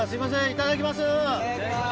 いただきます。